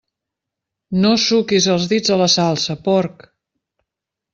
No suquis els dits a la salsa, porc!